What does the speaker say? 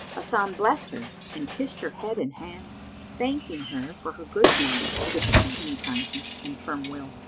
Hasan blessed her and kissed her head and hands, thanking her for her good deed and exceeding kindness and firm will.